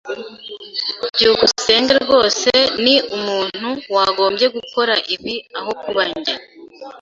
byukusenge rwose ni umuntu wagombye gukora ibi aho kuba njye.